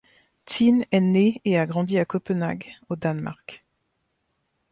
Tin est née et a grandi à Copenhague, au Danemark.